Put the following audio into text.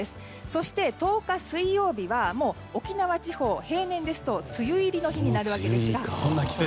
そして、１０日水曜日は沖縄地方は平年ですと梅雨入りの日になるわけですが。